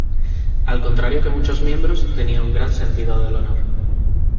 Al contrario que muchos miembros, tenía un gran sentido del honor.